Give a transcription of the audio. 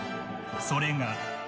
それが。